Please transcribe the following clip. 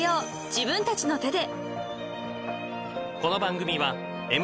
自分たちの手で］